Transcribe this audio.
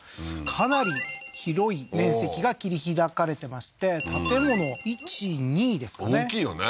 かなり広い面積が切り拓かれてまして建物１２ですかね大きいよね